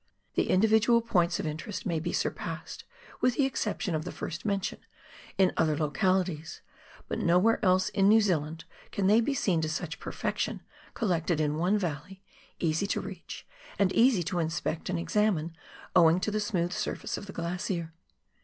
The individual points of interest may be surpassed, with the exception of the first mentioned, in other localities, but nowhere else in New Zealand can they be seen to such perfection, collected in one valley, easy to reach, and easy to inspect and examine owing to the smooth surface of the glacier.